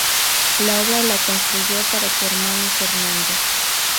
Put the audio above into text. La obra la construyó para su hermano Fernando.